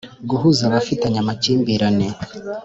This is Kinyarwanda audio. Guhuza abafitanye amakimbirane